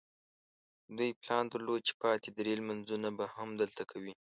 دوی پلان درلود چې پاتې درې لمونځونه به هم دلته کوي.